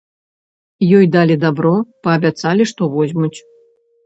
Ёй далі дабро, паабяцалі, што возьмуць.